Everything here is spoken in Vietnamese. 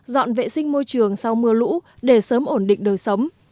dọn vệ sinh môi trường sau mưa lũ để sớm ổn định đời sống